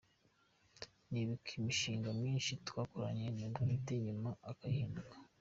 Nibuka imishinga myinshi twakoranye ye bwite nyuma akanyihinduka.